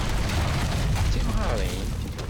D timɣarin.